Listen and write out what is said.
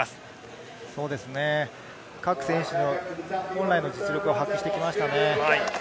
各選手の本来の実力を発揮してきましたね。